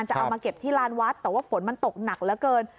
จะเอามาเก็บที่ลานวัดแต่ว่าฝนมันตกหนักเหลือเกิน